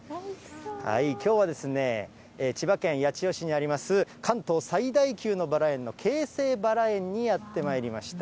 きょうはですね、千葉県八千代市にあります、関東最大級のバラ園の京成バラ園にやってまいりました。